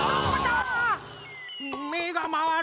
めがまわる！